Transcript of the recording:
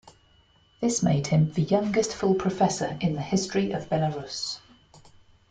This made him the youngest full professor in the history of Belarus.